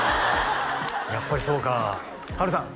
やっぱりそうかあ波瑠さん